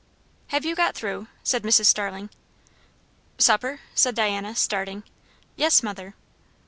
"Have you got through?" said Mrs. Starling. "Supper?" said Diana, starting. "Yes, mother."